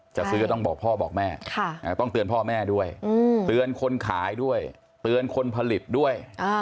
จะซื้อก็ต้องบอกพ่อบอกแม่ต้องเตือนพ่อแม่ด้วยเตือนคนขายด้วยเตือนคนผลิตด้วย